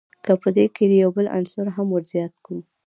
که په دې کښي یو بل عنصر هم ور زیات کو.